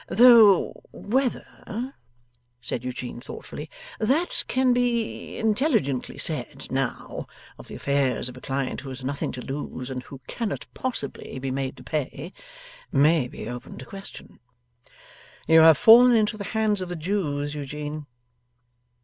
'Though whether,' said Eugene thoughtfully, 'that can be intelligently said, now, of the affairs of a client who has nothing to lose and who cannot possibly be made to pay, may be open to question.' 'You have fallen into the hands of the Jews, Eugene.